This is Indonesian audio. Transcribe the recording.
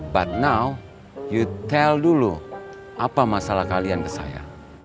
but now you tale dulu apa masalah kalian ke saya